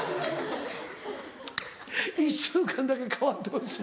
１週間だけ代わってほしい？